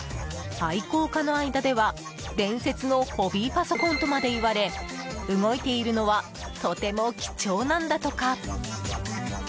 愛好家の間では、伝説のホビーパソコンとまで言われ動いているのはとても貴重なんだとか。